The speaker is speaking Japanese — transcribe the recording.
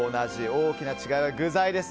大きな違いは具材です。